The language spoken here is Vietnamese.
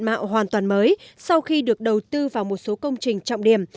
mạo hoàn toàn mới sau khi được đầu tư vào một số công trình trọng điểm